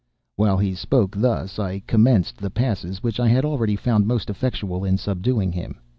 While he spoke thus, I commenced the passes which I had already found most effectual in subduing him.